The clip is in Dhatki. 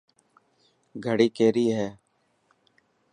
گھڙي ڪيري هي.